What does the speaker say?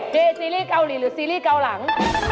ซีรีส์เกาหลีหรือซีรีส์เกาหลี